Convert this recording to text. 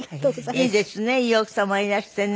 いいですねいい奥様いらしてね。